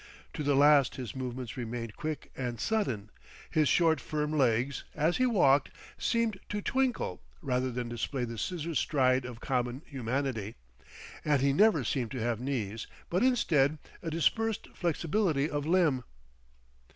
To the last his movements remained quick and sudden, his short firm legs, as he walked, seemed to twinkle rather than display the scissors stride of common humanity, and he never seemed to have knees, but instead, a dispersed flexibility of limb.